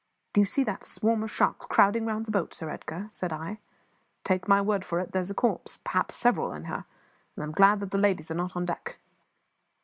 "Do you see that swarm of sharks crowding round the boat, Sir Edgar?" said I. "Take my word for it, there is a corpse perhaps several in her, and I am glad that the ladies are not on deck.